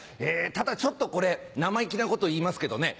ただちょっとこれ生意気なこと言いますけどね